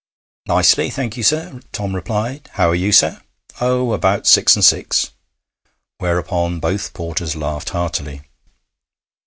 'Nicely, thank you, sir,' Tom replied. 'How are you, sir?' 'Oh, about six and six.' Whereupon both porters laughed heartily.